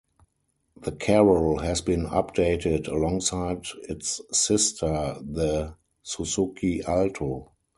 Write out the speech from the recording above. The Carol has been updated alongside its sister, the Suzuki Alto.